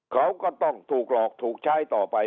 เขาก็ต้องถูกหลอกถูกใช้ต่อไป